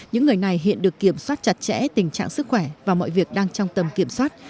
những người này hiện được kiểm soát chặt chẽ tình trạng sức khỏe và mọi việc đang trong tầm kiểm soát